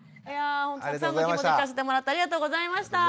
たくさんのお気持ち聞かせてもらってありがとうございました。